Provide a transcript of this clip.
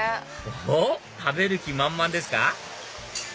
おっ食べる気満々ですか